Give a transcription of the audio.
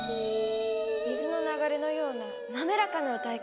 水の流れのような滑らかな歌い方。